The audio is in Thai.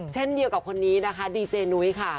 เช่นเดียวกับคนนี้นะคะดีเจนุ้ยค่ะ